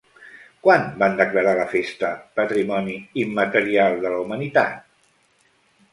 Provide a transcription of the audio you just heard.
Quan van declarar la festa Patrimoni Immaterial de la Humanitat?